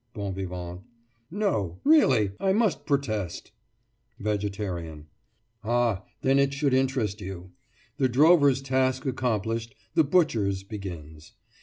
BON VIVANT: No, really, I must protest—— VEGETARIAN: Ah, then it should interest you! The drover's task accomplished, the butcher's begins.